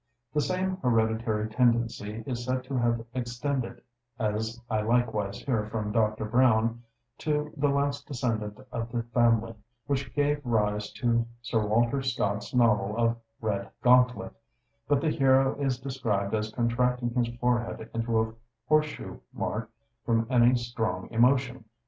The same hereditary tendency is said to have extended, as I likewise hear from Dr. Browne, to the last descendant of the family, which gave rise to Sir Walter Scott's novel of 'Red Gauntlet;' but the hero is described as contracting his forehead into a horseshoe mark from any strong emotion.